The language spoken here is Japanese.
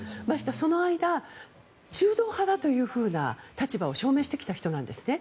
その間中道派だというような立場を証明してきた人なんですね。